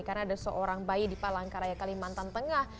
karena ada seorang bayi di palangkaraya kalimantan tengah